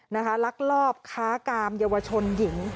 นะคะรักลอบค้ากามญวชนหญิง